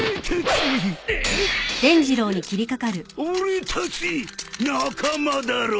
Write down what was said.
俺たち仲間だろ！